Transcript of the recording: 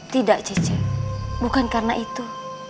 tidak cici bukan karena itu